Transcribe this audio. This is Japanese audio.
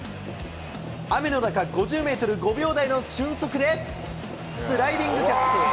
雨の中、５０メートル５秒台の俊足で、スライディングキャッチ。